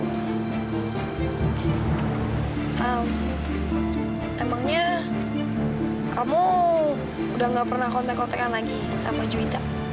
emangnya kamu udah nggak pernah kontak kontakan lagi sama cuyita